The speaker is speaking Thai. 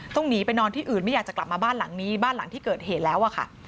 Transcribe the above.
หนีไปนอนที่อื่นไม่อยากจะกลับมาบ้านหลังนี้บ้านหลังที่เกิดเหตุแล้วอะค่ะ